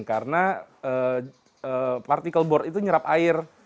karena partikel board itu nyerap air